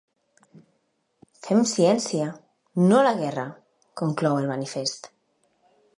Fem ciència, no la guerra!, conclou el manifest.